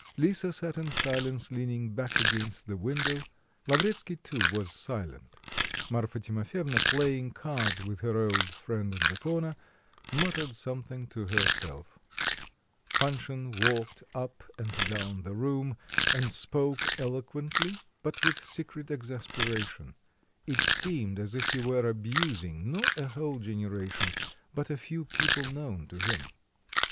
Lisa sat in silence leaning back against the window; Lavretsky too was silent. Marfa Timofyevna, playing cards with her old friend in the corner, muttered something to herself. Panshin walked up and down the room, and spoke eloquently, but with secret exasperation. It seemed as if he were abusing not a whole generation but a few people known to him.